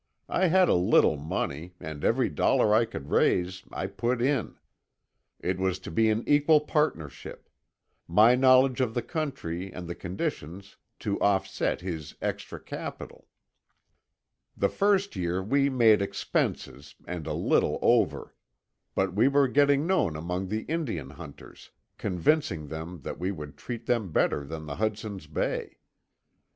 I had a little money, and every dollar I could raise I put in. It was to be an equal partnership: my knowledge of the country and the conditions to offset his extra capital. "The first year we made expenses, and a little over. But we were getting known among the Indian hunters, convincing them that we would treat them better than the Hudson's Bay.